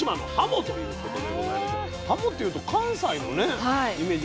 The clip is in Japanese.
はもっていうと関西のねイメージ。